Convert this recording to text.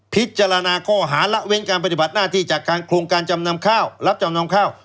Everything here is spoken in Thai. พิจารณาข้อหาและเว้นการปฏิบัติหน้าที่จากโครงการรับจำนำเข้า